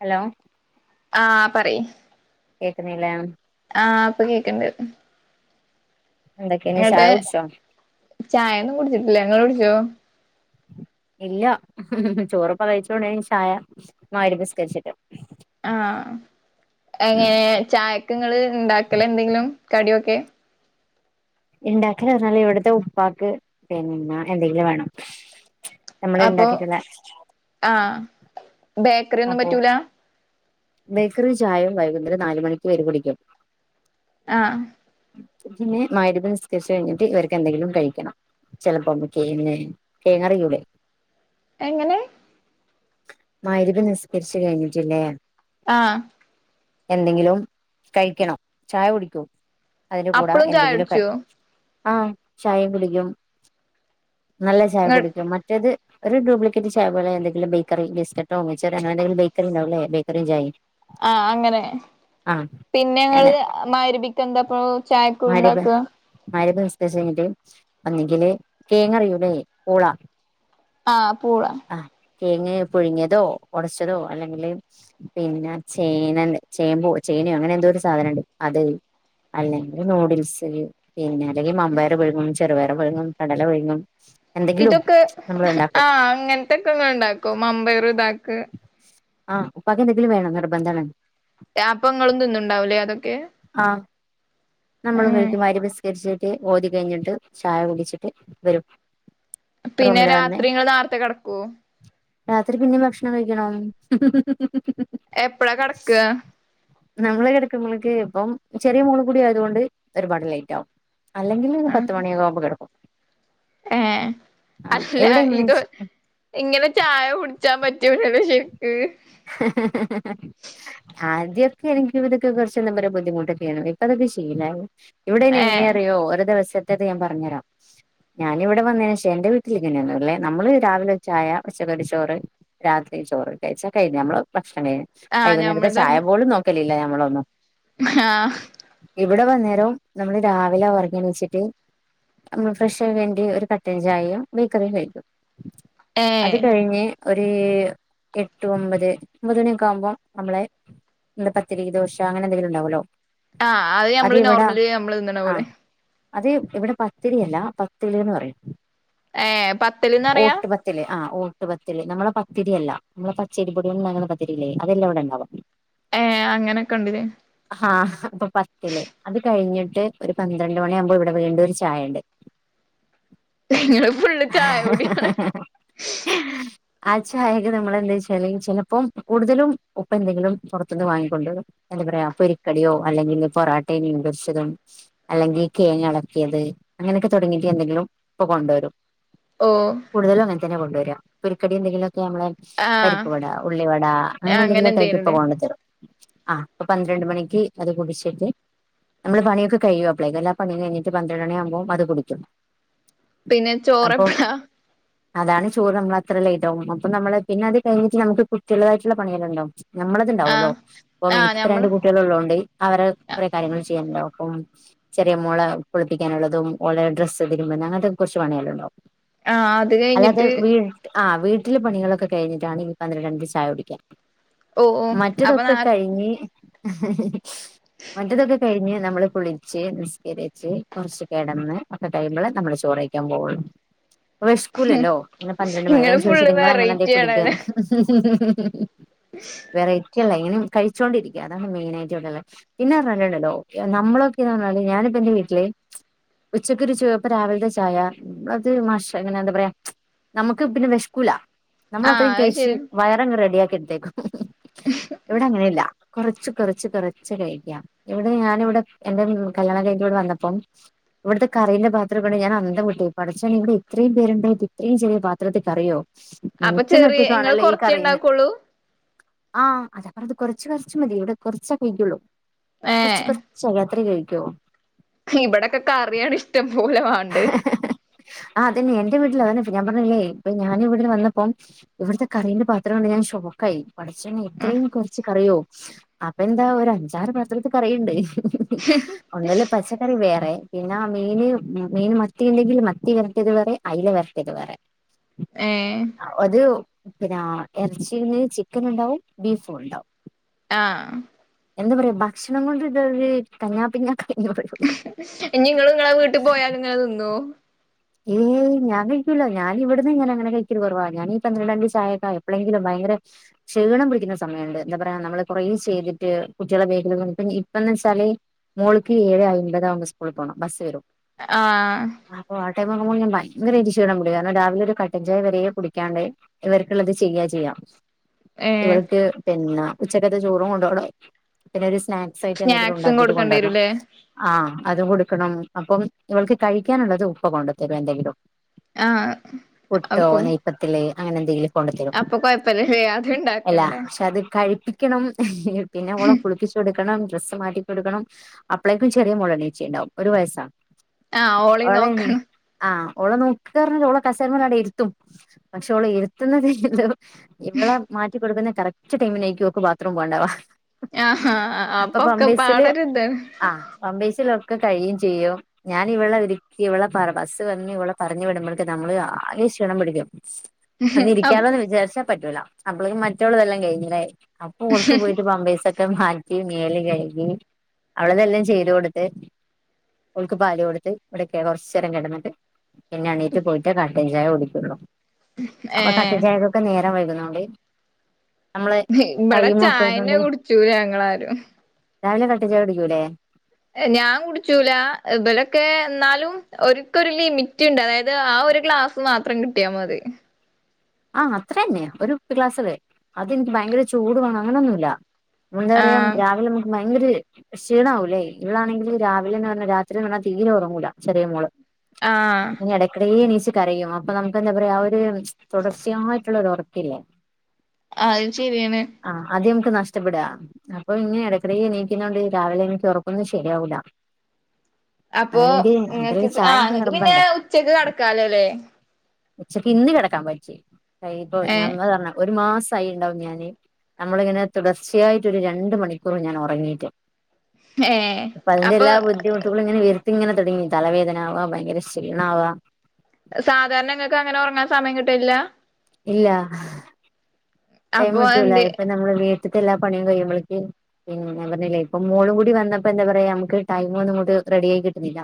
Hello ആഹ് പറി കേക്ക്ണ്ല്ലേ? ആഹ ഇപ്പൊ കേക്ക്ണ്ട്. എന്താ ക്കേനി ഇങ്ങട്ട് ചായുടിചോ? [unintelligible] ചായൊന്നും കുടിച്ചിട്ടില്ല ങ്ങള് കുടിച്ചോ? ഇല്ല ചോറിപ്പ കഴിച്ചോണ്ട് ചായ മഗ്രിബ് നിസ്കരിച്ചിട്ട്. ആഹ അങ്ങനെ ചായക്ങ്ങള് ഇണ്ടാക്കലേന്തെങ്കിലും കടിയൊക്കെ? ഇണ്ടാക്കല്പറഞ്ഞാല് ഇവിടത്തെ ഉപ്പാക്ക് പിന്നെ എന്തെങ്കിലും വേണം. നമ്മള് അപ്പൊ ഇണ്ടാക്കിട്ടുള്ള ആഹ ബേക്കറി ഒന്നും പറ്റൂല? ബേക്കറീം ചായയും വൈകുന്നേരം നാലുമണിക്ക് കേരി കുടിക്കും ആ പിന്നെ മഗ്രിബ് നിസ്കരിച്ചഴിഞ്ഞിട്ട് ഇവർക്ക് എന്തെങ്കിലും കഴിക്കണം ചെലപ്പം കേങ്ങ് കേങ്ങറിയൂലെ എങ്ങനെ മഗ്രിബ് നിസ്കരിച്ച് കഴിഞ്ഞിട്ടില്ലേ ആ എന്തെങ്കിലും കഴിക്കണം ചായ കുടിക്കൂ അതിന്റെ കൂടെ അപ്പളും ചായ എന്തെങ്കിലൊക്കെ കുടിച്ചോ ആ ചായയും കുടിക്കും നല്ല ചായ ഇങ്ങ കുടിക്കും മറ്റേത് ഒരു ഡ്യൂപ്ലിക്കേറ്റ് ചായ പോലെ എന്തെങ്കിലും ബേക്കറി ബിസ്ക്കറ്റോ മിച്ചറോ അങ്ങനെന്തെങ്കിലും ബേക്കറി ഉണ്ടാവൂല്ലേ ബേക്കറിം ചായിം ആ അങ്ങനെ പിന്നെ അങ്ങനെ ഇങ്ങള് മഗ്‌രിബിക്ക് എന്താപ്പം ചായക്ക് മഗ്‌രിബ് ഇണ്ടാക്കാ മഗ്‌രിബ് ഒന്നെങ്കില് കേങ്ങറിയൂലെ പൂളാ ആ പൂളാ കേങ്ങ് പുഴുങ്ങേതോ ഒടച്ചതോ അല്ലെങ്കില് പിന്നെ ചേന ചേമ്പോ ചേനയോ അങ്ങനെ എന്തോ ഒരു സാധനംണ്ട് അ അല്ലെങ്കിൽ നൂഡിൽസ് പിന്നെ അല്ലെങ്കിൽ മമ്പയർ പുഴുങ്ങും ചെറുപയർ പുഴുങ്ങും കടല പുഴുങ്ങും എന്തെങ്കിലും ഇതൊക്കെ നമ്മൾ ഉണ്ടാക്കും ആ അങ്ങനത്തെക്കെങ്ങള്ണ്ടാക്കും മമ്പയർ ഇതാക്ക് ആ ഉപ്പാക്ക് എന്തെങ്കിലും വേണം നിർബന്ധാണ് അപ്പങ്ങളും തിന്ന്ണ്ടാവുല്ലെ അതൊക്കെ ആഹ് നമ്മളും ഉം കഴിക്കും മഗ്‌രിബ് നിസ്കേര്ച്ചിട്ട് ഓതി കഴിഞ്ഞിട്ട് ചായ കുടിച്ചിട്ട് വരും പിന്നെ റൂമില് വന്ന് രാത്രി ഇങ്ങള് നാര്ത്തെ കട്ക്കൊ രാത്രി പിന്നിം ഭക്ഷണം കഴിക്കണം എപ്പഴാ കെടക്ക ഞങ്ങള് കെടക്കുമ്പളേക്ക് ഇപ്പം ചെറിയ മോളും കൂടി ആയത് കൊണ്ട് ഒരുപാട് ലേറ്റാവും അല്ലെങ്കില് പത്ത് മണിയൊകാവുമ്പം കെടക്കും ഏഹ് ആഹ് അല്ലാ എവിടെ എങ്ങനെ ഇത് ഇങ്ങനെ ചായ കുട്ച്ചാ പറ്റൂലല്ലോ ശരിക്ക് ആദ്യൊക്കെ എനിക്ക് ഇതൊക്കെ കൊർച്ച് എന്താ പറ ബുദ്ധിമുട്ടൊക്കേനി ഇപ്പതൊക്കെ ശീലായി ഇവടെ അയിന് എങ്ങനെ ഏഹ് അറിയോ ഒര് ദിവസത്തത് ഞാൻ പറ്ഞ്ഞരാം ഞാനിവടെ വന്നേനേശെ എന്റെ വീട്ടില് ഇങ്ങനെന്നല്ലേ ഞമ്മള് രാവിലെ ചായ ഉച്ചക്കൊര് ചോറ് രാത്രി ചോറ് കഴിച്ചാ കഴിഞ്ഞ് നമ്മളെ ഭക്ഷണം കഴിഞ്ഞ്. ആഹ് വൈകുന്നേരത്തെ ഞമ്മൾത് ചായ അങ്ങ പോലും നോക്കലില്ല ഞങ്ങളൊന്നും ആഹ് ഇവടെ വന്നേരം നമ്മള് രാവിലെ ഒർങ്ങിയെണീച്ചിട്ട് അമ്മള് ഫ്രഷായി കഴ്ഞ്ഞ്ട്ട് ഒരു കട്ടൻ ചായയും ബേക്കറിയും കഴിക്കും അത് ഏഹ് കഴിഞ്ഞ് ഒരു എ ട്ട് ഒമ്പത് ഒമ്പത് മണിയൊക്കാവുമ്പം നമ്മളെ എന്താ പത്തിരി ദോശ അങ്ങനെ എന്തെങ്കിലും ഉണ്ടാവല്ലോ ആഹ് അഹ് അത് ഞമ്മള് ഇവിടെ നോർമലി ഞമ്മള് തിന്ന്ണ ആ പോലെ അത് ഇവിടെ പത്തിരിയല്ല പത്തലീന്ന് പറയും ഏ പത്തല്ന്നറിയാ ഓട്ടുപത്തില് ആ ഓട്ടുപത്തല് നമ്മളെ പത്തിരിയല്ല ഞമ്മൾ പച്ചരി പൊട്യോണ്ട്ണ്ടാക്ക്ണ പത്തിരില്ലേ അതെല്ല ഇവിടെ ഇണ്ടാവ ഏഹ് അങ്ങനെക്ക്ണ്ട്ലെ ആഹ് അപ്പൊ പത്തല് അത് കഴിഞ്ഞിട്ട് ഒരു പന്ത്രണ്ട് മണിയാവുമ്പോ ഇവടെ വീണ്ടും ഒര് ചായണ്ട് ഇങ്ങള് ഫുള്ള് ചായ കുടിയാണ് [unintelligible] നമ്മള് എന്തെയ്ച്ചാല് ചെലപ്പം കൂടുതലും ഉപ്പ എന്തെങ്കിലും പൊറത്ത്ന്ന് വാങ്ങിക്കൊണ്ടോരും എന്ത പറയാ പൊരി കടിയോ അല്ലെങ്കില് പൊറോട്ടിം മീൻ പൊരിച്ചതും അല്ലെങ്കില് കേങ്ങ് എളക്കിയത് അങ്ങനൊക്കെ തൊടങ്ങീട്ട് എന്തെങ്കിലും ഇപ്പ കൊണ്ടുവരും ഓഹ് കൂടുതലും അങ്ങനെ തന്നെ കൊണ്ടുവരാ പൊരിക്കടി എന്തെങ്കിലൊക്കെ ഞമ്മളെ ആഹ് പരിപ്പവട ഉള്ളിവട അങ്ങനെ എന്തെങ്കിലുമൊക്കെ ആയിട്ട് ഇപ്പൊ കൊണ്ടു തരും ആ അ പന്ത്രണ്ട് മണിക്ക് അത് കുടിച്ചിട്ട് നമ്മള് പണിയൊക്കെ കഴിയോ അപ്ലൈ എല്ലാ പിയ കഴിട്ട് പന്ത്ര മണി ആക്പ അത് കുടിക്കും പിന്നെ അപ്പൊ ചോറപ്പളാ അതാണ് ചോറ് നമ്മൾ അത്രല്ല ഇതാവും അപ്പ നമ്മള് പിന്നെ അത് കഴിഞ്ഞിട്ട് നമുക്ക് കുട്ട്യാ ള്ളതായിട്ടുള്ള പണികള ഉണ്ടാവും നമ്മളത്ണ്ടാവല്ലോ ആഹ് അപ്പം ആഹ് എനിക്കിപ്പ രണ്ട് ഞമ്മള് കുട്ടികള ഉള്ളത്ോണ്ട് അവരെ കൊറെേ കാര്യങ്ങൾ ചെയ്യാനുണ്ടാവും അപ്പം ചെറിയ മുള പൊളിപ്പിക്കാനുള്ളതും വളരെ ഡ്രസ്സ് ഇതിരുമ്പ അങ്ങനത്തെക്ക കുറച്ച്പണാലും ണ്ടാവും ആഹ് അത് അല്ലാതെ കഴിഞ്ഞിട്ട് വീട് ആ വീട്ടില് പണികളൊക്കെ കഴിട്ടാണ് ഇപ്പ പന്ത്രണ്ട് മണിക്ക് ചായ കുടിക്ക ഓ ഓ അപ്പൊ നാ മറ്റതൊക്കെ കഴിഞ് മറ്റേതൊക്കെ കഴിഞ്ഞ് നമ്മള് കുളിച്ച് നിസ്കരിച്ച് കുറച്ച് കിടന്ന് ഒക്കെ ടൈ്പോൾ നമ്മള് ചോറ് കഴിക്കാൻ പോവൊള്ളൂ വെഷകൂല്ലോ അങ്ങനെ പന്ത്രണ്ട് മണി ഇങ്ങള് ചോദിച്ച ഫുള്ള് നിങ്ങങ്ങനിന്തേം വെറൈറ്റി കുടിക്ക ആണല്ലേ വെറ ഇങ്ങനെ കഴിച്ചോണ്ടിരിക്കുക അതാണ് മെയിനയിട്ട് ഉള്ളത് പിന്നെ പറഞ്ഞല്ലോ നമ്മളൊക്കെന്ന് പറഞ്ഞ ഞാൻ എന്റെ വീട്ടില് ഉച്ചക്കൊരു ച ഇപ്പ രാവിലത്തെ ചായ അത് മഷ അങ്ങനെ എന്താ പറയാ നമുക്ക് പിന്നെ വിഷ്കുലാ നമ്മള ആഹ് അത്രയും അത് കഴിച്ചച്ച് ശരി വയറങ്ങ് റെഡിയ ആാക്കി എടുത്തേക്കും ഇവിടെ അങ്ങനെ ഇല്ല കുറച്ച് കുറച്ച് കുറച്ച് കഴിക്കാം ഇവിടെ ഞാന ഇവിടെ എറെ കല്യാണം കഴിഞ്ഞു ട്ടിവിടെ വന്നപ്പം ഇവിടുത്തെ കറിയിന്റെ പാത്രം കൊണ്ട് ഞാൻ അന്തം വിട്ട് പഠിചോനെ ഇവിടെ ഇത്രയും പേരുണ്ടായിട്ട് ഇത്രയും ചെിയ പാത്രത്തിൽ കറിയോ അപ്പൊ എനിക്കന്ന ചെറിയ ഇങ്ങള് ഒറ്റിക്കണല്ലോ ഈ കൊറച്ചേ കറയിന്ന് ഇണ്ടാക്കുള്ളൂ ആഹ് അതപ്പറത് അത് കുറച്ച് കുറച്ച് മതി ഇവിടെ കുറച്ച കഴിക്കുള്ളൂ കുറച്ച് കുറച്ച് അത്രേ കഴിക്കോ ഇവിടെൊക്കെ കറിയാണ് ഇഷ്ടം പോലെ വാണ്ട ആഹ്തന്നെ എന്റെ വീട്ടില് അതെ ഞാൻ പറഞ്ഞില്ലേ ഇപ്പ ഞൻ വിടെ വന്ന അപ്പം ഇവിടത്തെ കറീന്റെ പാത്രം കൊണ്ട് ഞാൻ ഷോക്ക ആായി പഠിചോനെ ഉം എത്രയും കുറച്ച് കറിയോ അപ്പൊ എന്താ ഒരു അഞ്ചാറ് പത്രത്ത് കറിയുണ്ട് ഒന്നല്ല പച്ചക്കറി വേറെ പിന്നെ മീന് മീൻ മത്തി ഉണ്ടെങ്കിൽ മത്തി വരട്ടിയത് വേറെ അല വരട്ടിയത് വേറെ ഏഹ് അ ഒരു പിന്നെ ഇറച്ചിന്ന് ചിക്കൻ ഉണ്ടാവും ബീഫും ഉണ്ടാവും ആഹ എന്താ പറയാ ഭക്ഷണം കൊണ്ട് ഇണ്ടൊരു തങ്ങാപിഞ്ഞ നിങ്ങ ഇങ്ങളെ വീട്ടിൽ പോയാല ഇങ്ങെനെ നിന്നോ യ് ഞാൻ കഴക്കലോ ഞാന ഇവിടന്ന് ഞാനകാഴ്കൂല ഞാനിവിടെന്ന് കഴിക്കൽ കുറവാ ഞാനീ പന്ത്രണ്ടണ്ട് ദിവസ ആക്കാ എപ്പോഴെങ്കിലും ഭയങ്ക ഭയര ക്ഷീണം പിടിക്കുന്ന സമയമുണ്ട് എന്താ പറയാ നമ്മള് കുറേ ചെയ്തിട്ട് കുട്ടികളെ വേഗ ഇപ്പന്നേ തലേ മോൾക് ഏഴ് അമ്പത അവ സ്കൂള പോകണം ബസ് വരും ആഹ ടൈംകുമ്പോൾ ഞാ ഭങ്കര ഇരിച്ചുവിടാ ചെയ്യാ കാരണം രാവിലെ ഒരു കട്ടൻചായ വരരെെ കുടിക്കാണ്ടേ ഇവർക്കുള്ളത് ചെയ്യാ ചെയ്യാ ഏഹ് ഇവൾക്ക് പിന്നെ ഉച്ചക്കത്തെ ചോറും കൊണ്ടണം പിന്നെ ഒരു സ്നാക്സ് ആയിട്ട് എന്തെങ്കിലും സ്നാക്സും ഉണ്ടാക്കിട്ട് കൊടുക്കേണ്ടി കൊണ്ടുവരണം വരൂല്ലേ ആ അത് കൊടുക്കണം അപ്പം ഇവൾക്ക് കഴിക്കാനുള്ളത് ഉപ്പ കൊണ്ടത്തരുോ എന്തെങ്കിലും ആഹ് പുട്ടോ അപ്പം നെയപ്പത്തില് അങ്ങനെ എന്തെങ്കിലും കൊണ്ട തരും അപ്പൊ കൊഴപ്പല്ലല്ലേ അത് അല്ല ഇണ്ടാക്കണ്ടേ പക്ഷെ അത് കഴിപ്പി ണം പിന്നെ ഓളെ കുളിപ്പിച്ചു കൊടുക്കണം ഡ്രസ്സ് മാറ്റിൊടുക്കണം അപ്പ്ളേക്കും ചെറിയ മുളനീച്ചിണ്ടാവും ഒരു വയസാണ് ആഹ ഓളി നോക്കണം ആഹ് ഓളെ നോക്ക പറഞ്ഞൽ ഓളെ കസേരമാടെ ഇരുത്തും പക്ഷെ ഓളെ എരുത്തുന്നുന്നത് [unintelligible] ഇവള മാറ്റിിക്കൊടുക്കുന്ന കറക്റ്റ് ടൈമിനേക്കും ഒക്ക് ബാത്റൂം പോകണ്ടാവാ ആഹ് ആഹ് അപ്പൊ അപ്പൊക്കെ പമ്പീസിില് പാടൊരിതാണ് ആ പമ്പസില കഴിയും ചെയ്യും ഞാൻ ഇവളെ ഒരുക്കി ഇവ ബസ്സ്വെന്ന് ഇവിടെ പറഞ് വിടുമ്പോഴേെക് നമ്മളകെ ക്ഷീണം പിടിക്കും അപ് അന്നിരിക്കാമെന്ന് വിചാരിച്ചാ പറ്റൂല അപ്പേഴേക് മറ്റവളതെല്ലാം കഴിഞ്ഞില്ലേ അപ്പൊ ഓൾക് പോയിട്ട് പമ്പേസ- ഒക്കെ മാറ്റി മേല് കഴുകി അവളതെല്ലാം ചെയ്തു കൊടുത്ത് ഉൾക്ക് പാല് കൊടുത്ത് ഇവിടെക്കെയ കുറച്ച് ചേരം കിടന്നിട്ട് പിന്നെ എണീറ്റ് പോയിട്ട് കാട്ടഞ്ചായ കുടിക്കുള്ളൂ അപ്പൊ കട്ടൻ ഏഹ് ചായക്കൊക്കെ നേരം വൈകുന്നോണ്ട് നമ്മള് ഇവിടെ ടൈമൊക്കെ ചായന്നെ ഇട്ടോണ്ട് കുടിക്കുല്ല ഞങ്ങളാരും രാവിലെ കട്ടച്ചയാകുടിക്കൂലെ ഞാൻ കുടിച്ചൂല ഒരു ലിമിറ്റ് ഉണ്ട് അതായത് ആ ഒരു ഗ്ലാസ് മാത്രം കിട്ടിയാൽ മതി ആഹ അത്ര തന്നെ ഒരുകുപ്പിക്ലാസ്സിലെ അതെനിക്ക് ഭയങ്കര ചൂട് വേണം അങ്ങനെയൊന്നുമല്ല എന്താ പറ ആഹ് രാവിലെ നമ്മക്ക് - ഭയങ്കര ക്ഷീണവൂല്ലേ ഇവളാണെങ്കിൽ രാവിലെ എന്ന് പറഞ്ഞൽ രാത്രി എന്ന് പറഞ്ഞാൽ തീരെ ഉറങ്ങൂല ചേറിയ മോള് ആഹ് അ ഇടക്കിടെണീച്ച് കരയും അപ്പൊ നമുക്ക് എന്താ പറയാ ഒരു- തുടർച്ചയായിട്ടുള്ളരു ഉറക്കില്ലേ ആ അത് ശരിയാണ് ആഹ് അത് നമുക്ക് നഷ്ടപ്പെടാ അപ്പൊ ഇങ്ങനെ ഇടയ്ക്കിടെ എനീക്കുന്നണ്ട് രാവിലെ എനിക്ക് ഉറക്കൊന്നും ശരിയാകുല അപ്പൊ നിങ്ങക്ക് ആ എനിക്ക് നിങ്ങക്ക് പിന്നെ നിർബന്ധ ഉച്ചക്ക് കിടക്കാലോല്ലേ ഉച്ചകിന്ന് കിടക്കാൻ പറ്റി ഇപ്പൊ ഏഹ് ഞമ്മ പറഞ്ഞ ഒരു മാസം സായി ഉണ്ടാവും ഞാന് നമ്മളിങ്ങനെ തുടർച്ചയായിട്ട് ഒരു രണ്ട് മണിക്കൂർ ഞാൻ ഉറങ്ങീട്ട് അപ്പൊ അതിന്റെ എല്ലാ ബുദ്ധിമുട്ടുകളും ഇങ്ങനെ വരു- ഇങ്ങനെ തുടങ്ങി തലവേദന ആവാ ഭയങ്കര ക്ഷീണാവാ സാധാരണങ്ങൾക്ക് അങ്ങനെ ഉറങ്ങാൻ സമയം കിടട്ടില്ല ഇല്ല അപ്പൊ ടൈമുട്ടല്ല എന്ത് ഇപ്പൊ നമ്മള് വീ- ത്ത്ട്ടെല്ലാ പണിയും കയ്യുമ്പളേക്ക് പിന്നെ ഞാൻ പറഞ്ഞില്ലേ ഇപ്പം മോളും കൂടി വന്നപ്പോ എന്താ പറയാ നമുക്ക് ടൈം ഒന്നും അങ്ങോട്ട്‌ റെഡി ആയി കിട്ടുന്നില്ല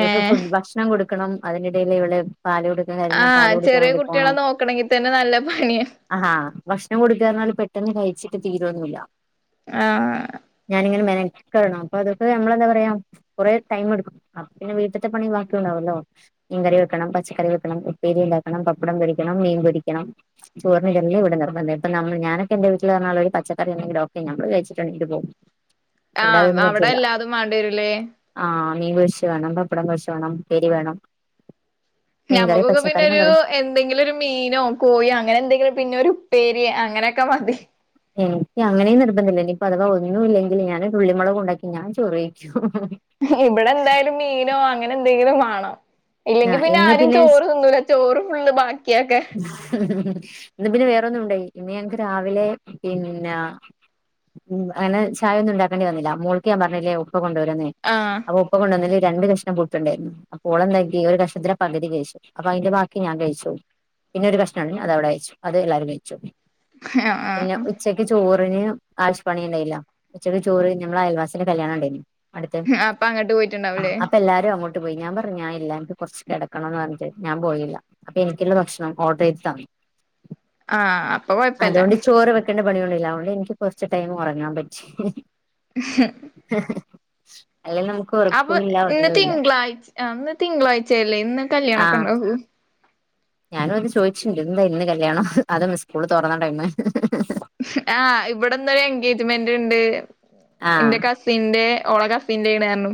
ഇവക്ക് ഫു ഭക്ഷണം കൊടുക്കണം അതിനിടയിൽ ഇവള് പാല് കുടുക്കാൻ കഴിഞ്ഞാൽ പാല് ആഹ് കുടിക്കാൻ ചെറിയ വേണ്ടി കുട്ടികളെ പോണം നോക്കണെങ്കി തന്നെ നല്ല പണിയാ ആഹാ ഭക്ഷണം കൊടുക്കാ എന്നാല് പെട്ടെന്ന് കഴിച്ചിട്ട് തീരമൊന്നുമില്ല ആഹ് കണം അപ്പൊ അതൊക്കെ നമ്മളെന്താ പറയാ കൊറെ ടൈം എടുക്കും പിന്നെ വീട്ടത്തെ പണി ബാക്കി ഉണ്ടാവല്ലോ മീൻ കറി വെക്കണം പച്ചക്കറി വെക്കണം ഉപ്പേരി ഉണ്ടാക്കണം പപ്പടം പൊരിക്കണം മീൻ പൊരിക്കണം ചോറിന് ഇതെല്ലാം ഇവിടെ അപ്പ നമ്മ ഞാനൊക്ക എന്റെ വീട്ടില് പറഞ്ഞാല് ഒരു പച്ചക്കറി എന്തങ്കിലോ ഒക്കെ നമ്മള് കഴിച്ചിട്ട് എണിറ്റ് പോകും ഇവിടെ ആഹ് അതൊന്നും അവിടെ പറ്റൂല്ല എല്ലാതും മണ്ടേരില്ലേ ആ മീൻ പൊരിച്ച വേണം പപ്പടം പൊരിച്ച വേണം ഉപ്പേരി വേണം മീൻകറി നമ്മുക്കൊക്കെ പച്ചക്കറി എന്ന് പിന്നെഒരു പറയും എന്തെങ്കിലും ഒരു മീനോ കോഴിയോ അങ്ങനെ എന്തെങ്കിലും പിന്നെ ഒരു ഉപ്പേരിയോ അങ്ങനെ - എനിക്ക് അങ്ങനെയും നിർബന്ധില്ല ഇനിപ്പ അഥവാ ഒ- ന്നും ഇല്ലെങ്കിൽ ഞാൻ ഉള്ളിമുളക് കൊണ്ടാക്കി ഞാൻ ചോറയിക്കും ഇവിടെ എന്തായാലും മീനോ അങ്ങനെ എന്തെങ്കിലും മാണം ആ ഇല്ലെങ്കി പിന്നെ ഇന്ന് ആരും ചോറ് തിന്നുല്ല ചോറ് ഫുള്ള് ബാക്കിയാക്കാൻ ഇന്ന് പിന്നെ വേറെന്നും ഉണ്ടായി ഇന്ന് ഞാക്ക് രാവിലെ പിന്നെ ഉം അങ്ങനെ ചായ ഒന്നും ഉണ്ടാക്കേണ്ടി വന്നില്ല മോൾക്ക് ഞാൻ പറഞ്ഞില്ലേ- ഉപ്പ കൊണ്ടുവരന്നേ ആഹ് അപ്പൊ ഉപ്പ കൊണ്ടുവന്നല് രണ്ട് കഷ്ണം പുട്ടുണ്ടായിരുന്നു അപ്പോ ഓള് എന്താ - ക്കി ഈ ഒരു കഷത്തിന്റെ പകുതി കഴിച്ചു അപ്പൊ അതിന്റെ ബാക്കി ഞാൻ കഴിച്ചോ- പിന്നെ ഒരു കഷ്ണംമാണ് അത് അവിടെ വെച്ചു അത് എല്ലാരും കഴിച്ചു ആഹ് പിന്നെ ആഹ് ഉച്ചക്ക് ചോറ് ചോറിന് ആശ്വാവാണി ഉണ്ടായില്ല ഉച്ചക്ക് ചോറ് നമ്മ അയൽവാസിന് കല്യാണം ഉണ്ടേന്ന് അടുത്ത് അപ്പൊ അങ്ങട്ട് പോയിട്ടുണ്ടാവൂലേ അപ്പൊ എല്ലാരും അങ്ങോട്ട് പോയി ഞാൻ പറഞ്ഞു ഞനായില്ല കുറച്ച് കിടക്കണംന്ന് പറഞ്ഞ് ഞാൻ പോയില്ല അപ്പൊ എനിക്കുള്ള ഭക്ഷണം ഓർഡർ ചെയ്ത് തന്നു ആഹ് അപ്പൊ കൊഴപ്പല്ല അതുകൊണ്ട് ചോറ് വെക്കണ്ട പണികളില്ല അതുകൊണ്ട് എനിക്ക് കുറച്ച് ടൈം ഉറങ്ങാൻ പറ്റി അല്ലെ നമുക്ക് ഉറക്കുഇല്ല ഒന്നുമല്ല അന്ന് തിങ്കളാഴ്ചയല്ലേ ഇന്ന് കല്യാണ ഒക്കെ ആഹ് ഉണ്ടകുവോ ഞാനും അത് ചോയിച്ചിണ്ട് എന്താ ഇന്ന് കല്യാണം അതും ഇസ്കൂള് തോറന്ന ടൈമ് ആ ഇവിടിന്നൊരു എൻഗേജ്മെന്റ്ണ്ട് ആഹ് എന്റെ കസിന്റെ ഓള കസിന്റെണ് പറഞ്ഞു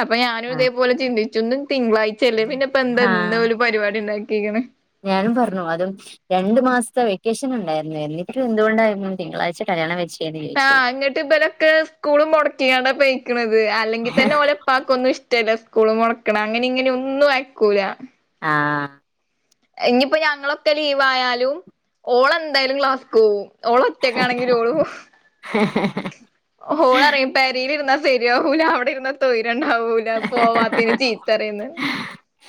അപ്പൊ ഞാനും ആഹ് ഇതേപോലെ ചിന്തിച്ചു ന്ന് തിങ്കളാഴ്ച ഇല്ലേ പിന്ന ഇപ്പൊ എന്ത ഇന്ന് ആഹ് ഓല് പരിപാടി ഉണ്ടാക്കിയിരിക്കണ ഞാനും പറഞ്ഞു അതും രണ്ടു മാസത്തെ വെക്കേഷൻ ഉണ്ടായിരുന്നു എന്നിട്ടുംഎന്തുകൊണ്ടായിരുന്നു തിങ്കളാഴ്ച കല്യാണം കഴിച്ച് ആ എങ്ങിട്ട് ഇബലൊക്കെ സ്കൂളും മൊടക്കി [unintelligible] പോയ് അല്ലെങ്കി തന്നെ ഓലുപ്പാക്കൊന്നും ഇഷ്ടല്ല സ്കൂള് മുടക്കണ അങ്ങനെ ഇങ്ങനെ ഒന്നും അയക്കൂല ആ അ എനിയിപ്പോ ഞങ്ങളൊക്കെ ലീവായാലും ഓളെന്തായാലും ക്ലാസ്ക്ക് പോവും ഓളറ്റയ്ക്കാണെങ്കിലും ഓള്പോം ഓളറിയും പെരെലിരുന്നാ സെരിയാവൂല അവിടെ ഇരുന്ന തൊയി ണ്ടാവൂല പോവാത്തേന് ചീത്തറയ്ന്ന്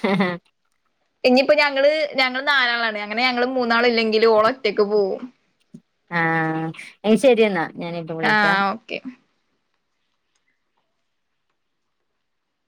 ഹ ഹ ഇനിപ്പോ ഞങ്ങള് ഞങ്ങള് നാലാളാണ് അങ്ങനെ ഞങ്ങള് മൂന്നാളില്ലെങ്കിലും ഓളൊറ്റക്ക് പോവും ആ എങ്കിൽ ശരിയെന്നാ ഞാനിപ്പ വിളിക്കാം ആഹ് ഓക്കെ